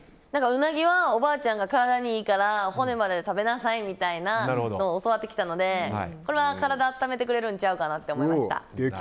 ウナギはおばあちゃんが体にいいから骨まで食べなさいみたいに教わってきたのでこれは体を温めてくれるんちゃうかなと思いました。